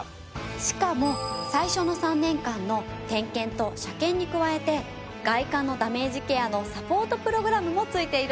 しかも最初の３年間の点検と車検に加えて外観のダメージケアのサポートプログラムもついているの！